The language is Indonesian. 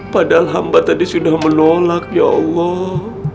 padahal hamba tadi sudah menolak ya allah